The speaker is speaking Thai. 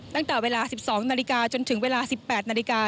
ตั้งแต่เวลา๑๒นาฬิกาจนถึงเวลา๑๘นาฬิกา